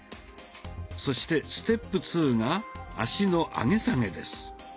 そしてステップツーが脚の上げ下げです。